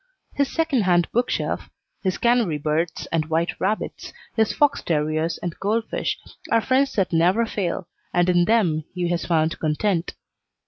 His second hand bookshelf, his canary birds and white rabbits, his fox terriers and goldfish are friends that never fail, and in them he has found content.